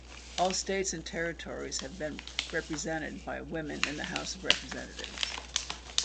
All states and territories have been represented by women in the House of Representatives.